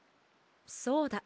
そうだ。